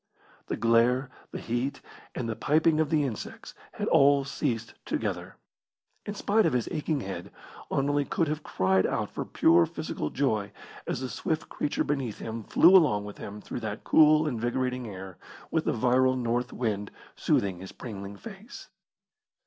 The glare, the heat, and the piping of the insects had all ceased together. In spite of his aching head, Anerley could have cried out for pure physical joy as the swift creature beneath him flew along with him through that cool, invigorating air, with the virile north wind soothing his pringling face.